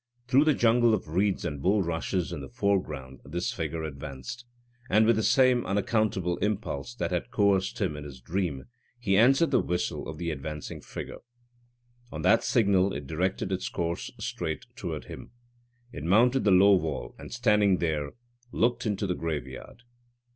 Through the jungle of reeds and bulrushes in the foreground this figure advanced; and with the same unaccountable impulse that had coerced him in his dream, he answered the whistle of the advancing figure. On that signal it directed its course straight toward him. It mounted the low wall, and, standing there, looked into the graveyard.